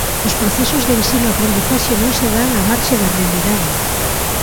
Os procesos de ensino-aprendizaxe non se dan á marxe da realidade.